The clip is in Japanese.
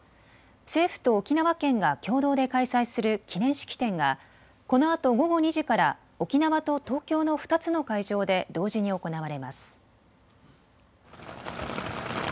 政府と沖縄県が共同で開催する記念式典がこのあと午後２時から沖縄と東京の２つの会場で同時に行われます。